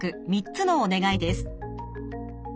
３つのお願いです。